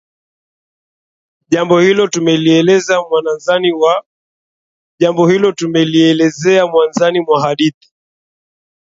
jambo hilo tumelielezea mwanzani mwa hadithi